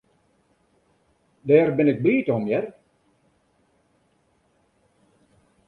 Dêr bin ik bliid om, hear.